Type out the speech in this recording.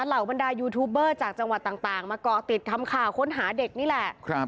เหล่าบรรดายูทูบเบอร์จากจังหวัดต่างมาเกาะติดทำข่าวค้นหาเด็กนี่แหละ